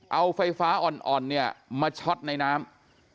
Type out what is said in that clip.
เอาไฟฟ้าอ่อนมาช็อตในน้ำ